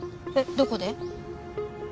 えどこで？